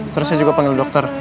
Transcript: terus saya juga panggil dokter